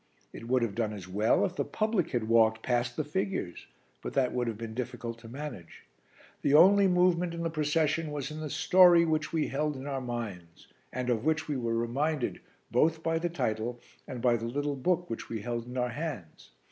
It would have done as well if the public had walked past the figures, but that would have been difficult to manage. The only movement in the procession was in the story which we held in our minds, and of which we were reminded both by the title and by the little book which we held in our hands.